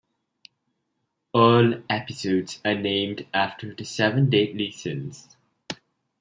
All episodes are named after the seven deadly sins.